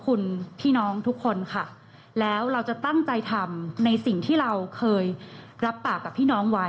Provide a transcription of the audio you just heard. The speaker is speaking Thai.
คุณพี่น้องทุกคนค่ะแล้วเราจะตั้งใจทำในสิ่งที่เราเคยรับปากกับพี่น้องไว้